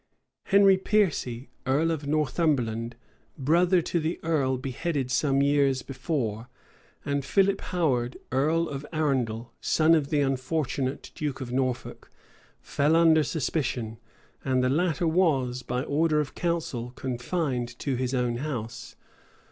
Henry Piercy, earl of Northumberland, brother to the earl beheaded some years before, and Philip Howard, earl of Arundel, son of the unfortunate duke of Norfolk, fell under suspicion; and the latter was, by order of council, confined to his own house.